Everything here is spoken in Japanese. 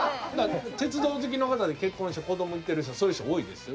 鉄道好きの方で結婚して子どもいてる人そういう人多いですよ。